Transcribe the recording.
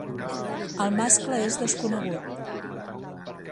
El mascle és desconegut.